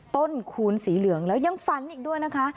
คูณสีเหลืองแล้วยังฝันอีกด้วยนะคะ